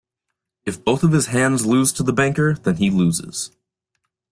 If both of his hands lose to the banker then he loses.